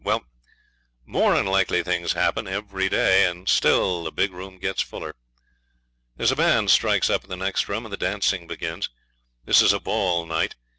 Well, more unlikely things happen every day. And still the big room gets fuller. There's a band strikes up in the next room and the dancing begins. This is a ball night.